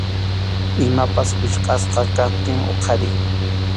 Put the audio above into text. Imapas wichqʼasqa kaptin huqariy.